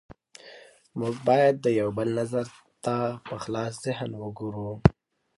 موږ باید د یو بل نظر ته په خلاص ذهن وګورو